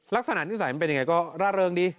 ลักษณะนิสัยมันเป็นยังไงก็ร่าเริงดี